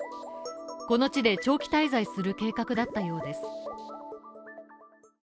この地で長期滞在する計画だったようです。